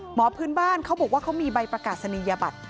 หมอพื้นบ้านเขาบอกว่าเขามีใบประกาศนียบัตร